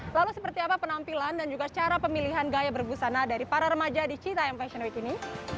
lalu seperti apa penampilan dan juga cara pemilihan gaya berbusana dari para remaja di cita m fashion week ini